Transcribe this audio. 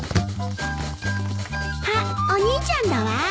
あっお兄ちゃんだわ。